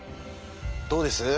どうです？